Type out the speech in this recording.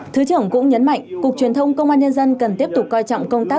thứ trưởng cũng nhấn mạnh cục truyền thông công an nhân dân cần tiếp tục coi trọng công tác